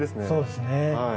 そうですね。